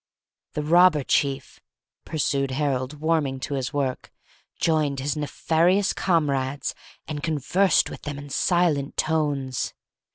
"The robber chief," pursued Harold, warming to his work, "joined his nefarious comrades, and conversed with them in silent tones.